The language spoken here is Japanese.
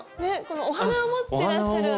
このお花を持ってらっしゃる。